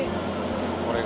これが。